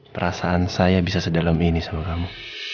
perasaan saya bisa sedalam ini sama kamu